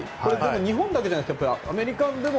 日本だけじゃなくてアメリカでも？